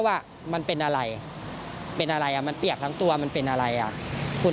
ว่ามันเป็นอะไรเป็นอะไรอ่ะมันเปียกทั้งตัวมันเป็นอะไรอ่ะคุณ